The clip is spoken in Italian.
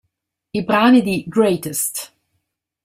I brani di "Greatest!